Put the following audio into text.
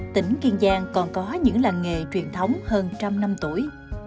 tỉnh kiên giang còn có những làng nghề truyền thống hơn trăm năm tuổi